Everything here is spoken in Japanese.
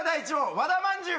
和田まんじゅう